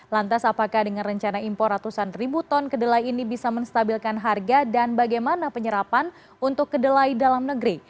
lantas apakah dengan rencana impor ratusan ribu ton kedelai ini bisa menstabilkan harga dan bagaimana penyerapan untuk kedelai dalam negeri